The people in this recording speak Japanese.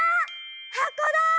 はこだ！